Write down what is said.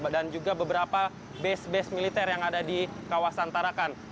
dan juga beberapa base base militer yang ada di kawasan tarakan